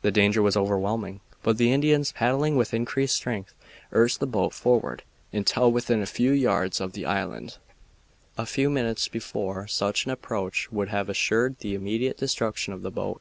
The danger was overwhelming, but the Indians, paddling with increased strength, urged the boat forward until within a few yards of the island. A few minutes before such an approach would have assured the immediate destruction of the boat.